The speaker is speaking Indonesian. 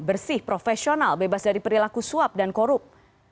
bersih profesional bebas dari perilaku suap dan korup